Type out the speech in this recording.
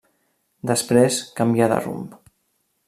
Després canvià de rumb.